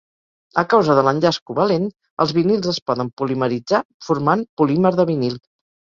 A causa de l'enllaç covalent, els vinils es poden polimeritzar, formant polímer de vinil.